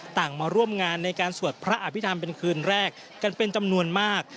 มาร่วมงานในการสวดพระอภิษฐรรมเป็นคืนแรกกันเป็นจำนวนมาก